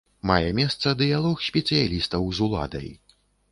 Мае месца дыялог спецыялістаў з уладай.